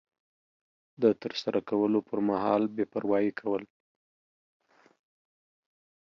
د ترسره کولو پر مهال بې پروایي کول